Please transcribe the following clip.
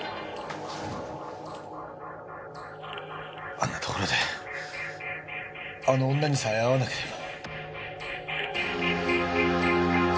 あんな所であの女にさえ会わなければ。